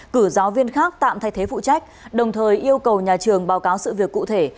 cử giáo viên khác tạm thay thế phụ trách đồng thời yêu cầu nhà trường báo cáo sự việc cụ thể